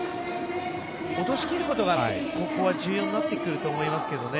落としきることがここは重要になってくると思いますけどね。